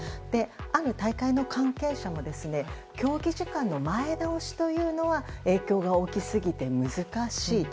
ある大会の関係者も競技時間の前倒しというのは影響が大きすぎて難しいと。